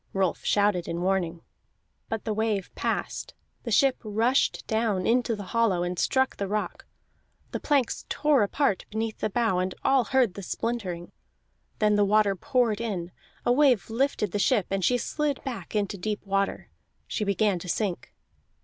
Rolf shouted in warning. But the wave passed, the ship rushed down into the hollow, and struck the rock. The planks tore apart beneath the bow, and all heard the splintering; then the water poured in, a wave lifted the ship, and she slid back into deep water. She began to sink.